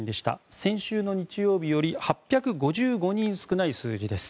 先週の日曜日より８５５人少ない数字です。